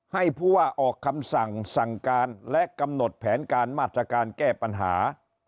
ให้ผู้ว่าออกคำสั่งสั่งการและกำหนดแผนการมาตรการแก้ปัญหา